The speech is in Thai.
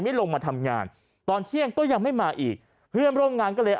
ไม่ลงมาทำงานตอนเที่ยงก็ยังไม่มาอีกเพื่อนร่วมงานก็เลย